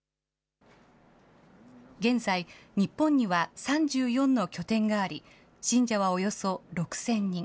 現在、日本には３４の拠点があり、信者はおよそ６０００人。